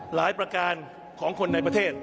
ประการของคนในประเทศ